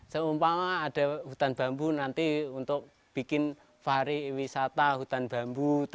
seumpama ada hutan bambu nanti untuk bikin fari wisata hutan bambu